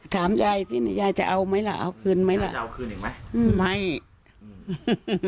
ถามยายที่นี่ยายจะเอาไหมละเอาคืนไหมละยายจะเอาคืนอีกไหมไม่